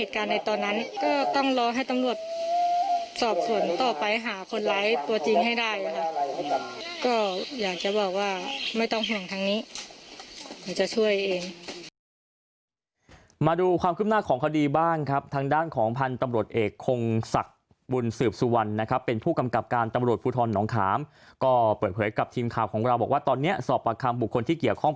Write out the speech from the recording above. ก็จะช่วยเอง